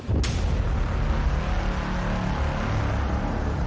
อิฟทิศบูรณ์สูง